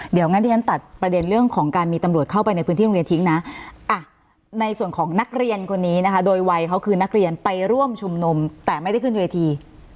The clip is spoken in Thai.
เดี๋ยวงั้นที่ฉันตัดประเด็นเรื่องของการมีตำรวจเข้าไปในพื้นที่โรงเรียนทิ้งนะในส่วนของนักเรียนคนนี้นะคะโดยวัยเขาคือนักเรียนไปร่วมชุมนุมแต่ไม่ได้ขึ้นเวที